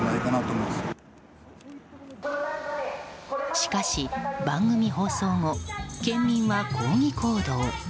しかし番組放送後県民は抗議行動。